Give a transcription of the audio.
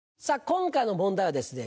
今回の問題はですね